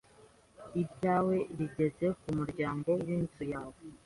ibyawe bigeze ku muryango w’ inzu yawe.